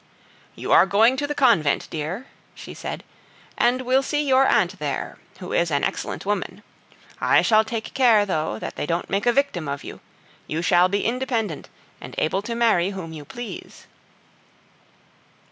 "You are going to the convent, dear," she said, "and will see your aunt there, who is an excellent woman. I shall take care, though, that they don't make a victim of you; you shall be independent, and able to marry whom you please."